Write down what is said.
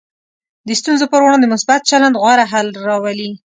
د ستونزو پر وړاندې مثبت چلند غوره حل راولي.